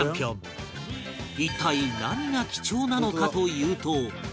一体何が貴重なのかというと